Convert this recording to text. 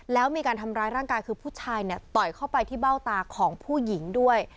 แล้วมีการทำร้ายร่างกายคือผู้ชายเนี่ยต่อยเข้าไปที่เบ้าตาของผู้หญิงด้วย